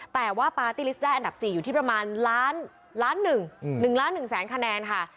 แต่ว่าปาร์ตี้ลิสต์ได้อันดับ๔อยู่ที่ประมาณ๑ล้าน๑แสนคะแนนค่ะ